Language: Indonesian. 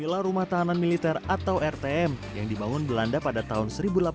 inilah rumah tahanan militer atau rtm yang dibangun belanda pada tahun seribu delapan ratus